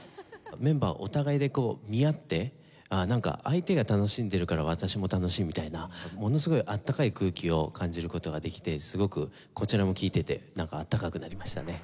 メンバーお互いで見合ってなんか相手が楽しんでいるから私も楽しいみたいなものすごい温かい空気を感じる事ができてすごくこちらも聴いていてなんか温かくなりましたね。